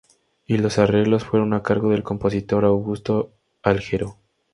Y los arreglos fueron a cargo del compositor Augusto Algueró.